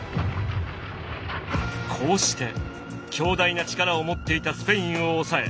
こうして強大な力を持っていたスペインを抑え